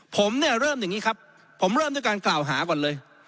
ผมเนี่ยเริ่มอย่างนี้ครับผมเริ่มด้วยการกล่าวหาก่อนเลย